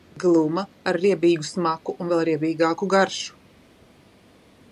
Gluma, ar riebīgu smaku un vēl riebīgāku garšu.